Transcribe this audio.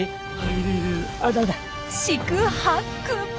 四苦八苦。